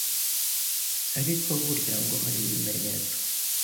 ariko burya ngo hari ibimenyetso